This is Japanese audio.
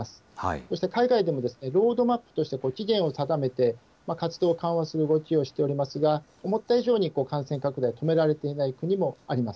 そして海外でも、ロードマップとして、期限を定めて、活動を緩和する動きをしておりますが、思った以上に感染拡大止められていない国もあります。